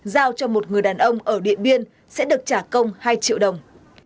giao cho một người đàn ông ở điện biên sẽ được trả công hai triệu đồng